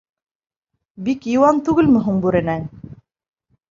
— Бик йыуан түгелме һуң бүрәнәң?